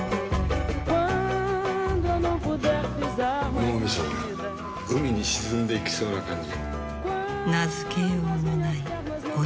脳みそが海に沈んでいきそうな感じ。